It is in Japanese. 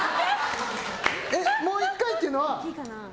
もう１回っていうのは。